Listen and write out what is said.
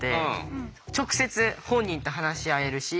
直接本人と話し合えるし。